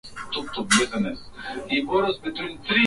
na serikali ya jamhuri ya kidemokrasia ya Kongo